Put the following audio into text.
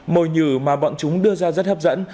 mồi nhử mà bọn chúng đưa ra rất hấp dẫn